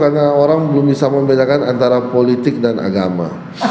karena orang belum bisa membedakan antara politik dan agama